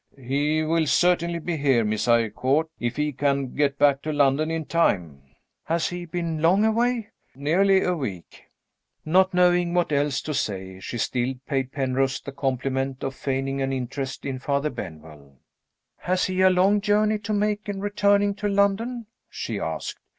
"He will certainly be here, Miss Eyrecourt, if he can get back to London in time." "Has he been long away?" "Nearly a week." Not knowing what else to say, she still paid Penrose the compliment of feigning an interest in Father Benwell. "Has he a long journey to make in returning to London?" she asked.